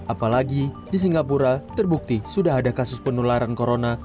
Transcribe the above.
apalagi di singapura terbukti sudah ada kasus penularan corona